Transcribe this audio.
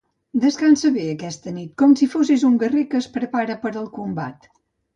Descansa bé aquesta nit, com si fossis un guerrer que es prepara per al combat.